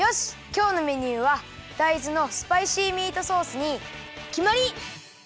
きょうのメニューはだいずのスパイシーミートソースにきまり！